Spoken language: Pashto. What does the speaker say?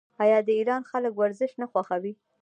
آیا د ایران خلک ورزش نه خوښوي؟